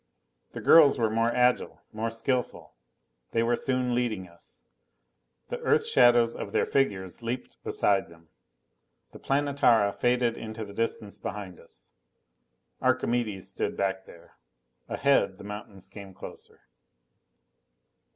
The girls were more agile, more skillful. They were soon leading us. The Earth shadows of their figures leaped beside them. The Planetara faded into the distance behind us. Archimedes stood back there. Ahead, the mountains came closer.